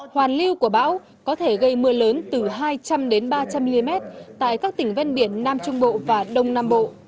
hoàn lưu của bão có thể gây mưa lớn từ hai trăm linh ba trăm linh mm tại các tỉnh ven biển nam trung bộ và đông nam bộ